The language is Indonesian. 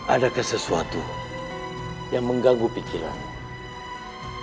adakah sesuatu yang mengganggu pikiran